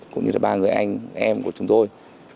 cũng như là ba người anh em của chúng tôi